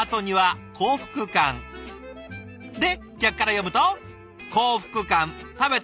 で逆から読むと。